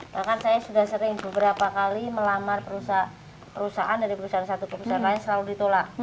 bahkan saya sudah sering beberapa kali melamar perusahaan dari perusahaan satu ke perusahaan lain selalu ditolak